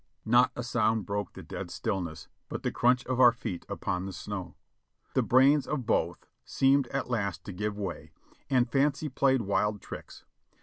Not a sound broke the dead stillness but the crunch of our feet upon the snow. The brains of both seemed at last to give way, and fancy played wild tricks.